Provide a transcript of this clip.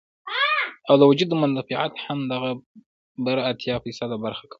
او د وجود مدافعت هم دغه بره اتيا فيصده برخه کموي